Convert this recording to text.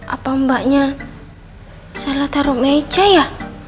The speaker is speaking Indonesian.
apa mbaknya salah taruh meja ya